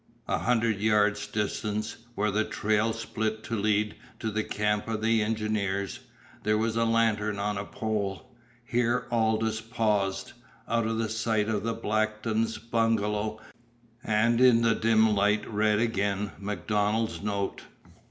A hundred yards distant, where the trail split to lead to the camp of the engineers, there was a lantern on a pole. Here Aldous paused, out of sight of the Blackton bungalow, and in the dim light read again MacDonald's note.